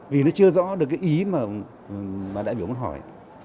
vì nó chưa rõ được cái ý mà đại biểu muốn hỏi